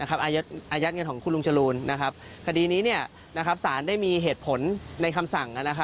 อายัดเงินของคุณลุงจรูนคดีนี้สารได้มีเหตุผลในคำสั่ง